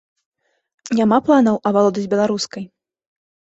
Няма планаў авалодаць беларускай?